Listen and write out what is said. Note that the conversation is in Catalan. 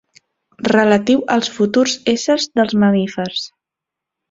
Relatiu als futurs éssers dels mamífers.